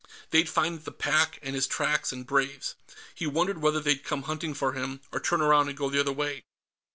They'd find the pack, and his tracks and Brave's. He wondered whether they'd come hunting for him, or turn around and go the other way.